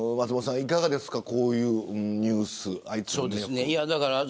いかがですかこういうニュース。